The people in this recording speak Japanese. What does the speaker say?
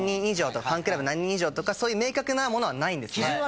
ファンクラブ何人以上とかそういう明確なものはないんですね。